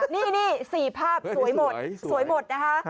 นี่ค่ะนี่สี่ภาพสวยหมดสวยหมดนะคะ